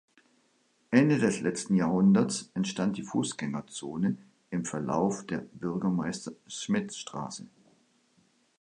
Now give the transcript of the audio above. Ende des letzten Jahrhunderts entstand die Fußgängerzone im Verlauf der Bürgermeister-Smidt-Straße.